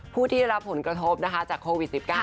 ผู้ที่ได้รับผลกระทบนะคะจากโควิด๑๙